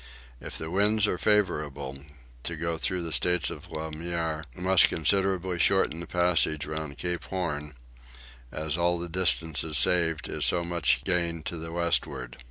If the winds are favourable, to go through Straits le Maire must considerably shorten the passage round Cape Horn, as all the distance saved is so much gained to the westward.